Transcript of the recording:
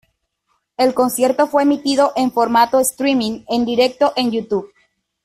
El concierto fue emitido en formato "streaming" en directo en YouTube.